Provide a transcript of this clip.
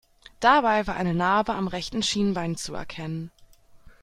Dabei war eine Narbe am rechten Schienbein zu erkennen.